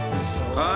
はい。